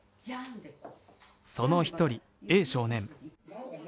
その一人、Ａ少年。